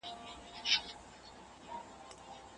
د ساینس څېړنه ځانته نه ترسره کېږي.